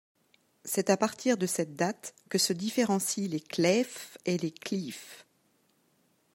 C'est à partir de cette date que se différencient les Cleef et les Kleef.